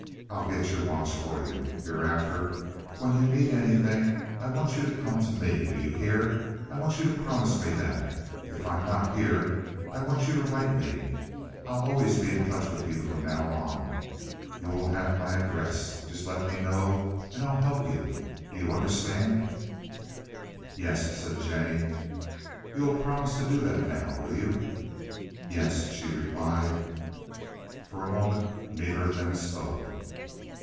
I'll get your watch for you. Hereafter when you need anything I want you to come to me. Do you hear? I want you to promise me that. If I'm not here, I want you to write me. I'll always be in touch with you from now on. You will have my address. Just let me know, and I'll help you. Do you understand?" "Yes," said Jennie. "You'll promise to do that now, will you?' "Yes," she replied. For a moment neither of them spoke.